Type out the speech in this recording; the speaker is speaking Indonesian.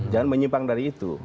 jangan menyimpang dari itu